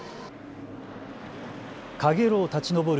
かげろう立ち上る